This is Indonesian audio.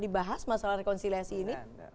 dibahas masalah rekonsiliasi ini